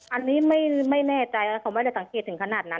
อันนี้ไม่แน่ใจแล้วเขาไม่ได้สังเกตถึงขนาดนั้น